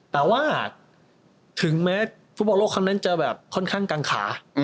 แต่ว่าถึงแม้ฟุตบอลโลกครั้งนั้นจะแบบค่อนข้างกังขา